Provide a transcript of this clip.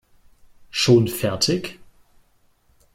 Schon fertig?